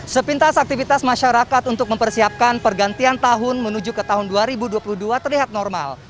sepintas aktivitas masyarakat untuk mempersiapkan pergantian tahun menuju ke tahun dua ribu dua puluh dua terlihat normal